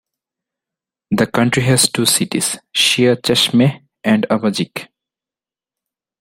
The county has two cities: Siah Cheshmeh and Avajiq.